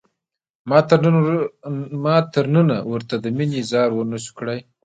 ما تر ننه ورته د مینې اظهار ونشو کړای.